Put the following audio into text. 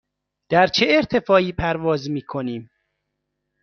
در چه ارتفاعی پرواز می کنیم؟